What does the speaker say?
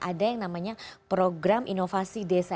ada yang namanya program inovasi desa